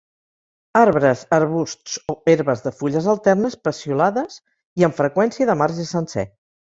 Arbres arbusts o herbes de fulles alternes, peciolades i, amb freqüència, de marge sencer.